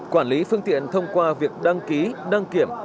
quản lý phương tiện thông qua việc đăng ký đăng kiểm